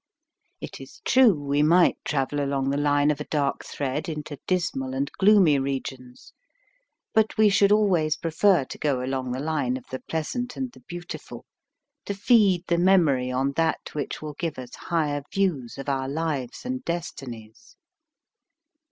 It is true we might travel along the line of a dark thread into dismal and gloomy regions, but we should always prefer to go along the line of the pleas ant and the beautiful, to feed the mem ory on that which will give us higher views of our lives and destinies.